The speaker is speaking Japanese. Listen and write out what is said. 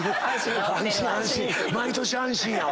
毎年安心やわ。